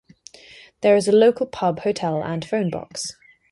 There is a local pub, hotel and phonebox.